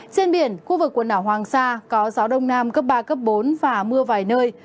trên biển khu vực quần đảo hoàng sa có gió đông nam cấp ba bốn và mưa vài nơi